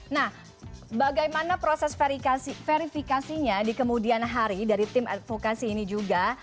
nah bagaimana proses verifikasinya di kemudian hari dari tim advokasi ini juga